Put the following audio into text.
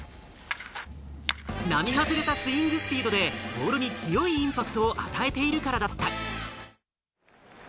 並外れたスイングスピードでボールに強いインパクトを与えているからだった。